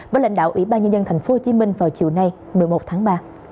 với lãnh đạo ủy ban nhân dân tp hcm vào chiều nay một mươi một tháng ba